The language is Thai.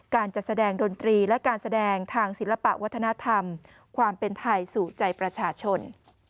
การจัดแสดงดนตรีและการแสดงทางศิลปะวัฒนธรรมความเป็นไทยสู่ใจประชาชน